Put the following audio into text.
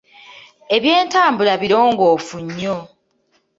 Ebyentambula birongoofu nnyo.